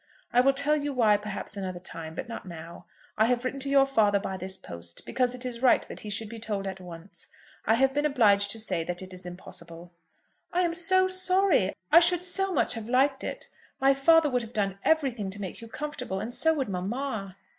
I will tell you why, perhaps, another time, but not now. I have written to your father by this post, because it is right that he should be told at once. I have been obliged to say that it is impossible." "I am so sorry! I should so much have liked it. My father would have done everything to make you comfortable, and so would mamma."